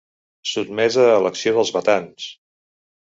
Sotmesa a l'acció dels batans.